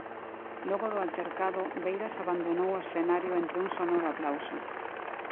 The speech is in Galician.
Logo do altercado, Beiras abandonou o escenario entre un sonoro aplauso.